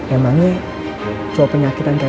emangnya cowok penyakitan kayaknya bisa marah